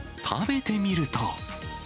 食べてみると。